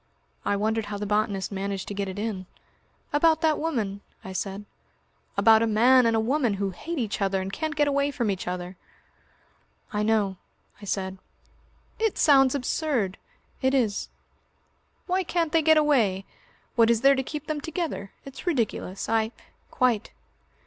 I wondered how the botanist managed to get it in. "About that woman?" I said. "About a man and a woman who hate each other and can't get away from each other." "I know," I said. "It sounds absurd." "It is." "Why can't they get away? What is there to keep them together? It's ridiculous. I " "Quite."